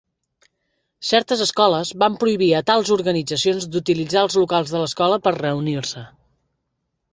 Certes escoles van prohibir a tals organitzacions d'utilitzar els locals de l'escola per a reunir-se.